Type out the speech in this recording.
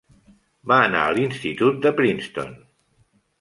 Va anar a l'institut de Princeton.